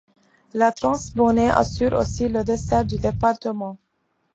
Le Transgabonais assure aussi la desserte du département.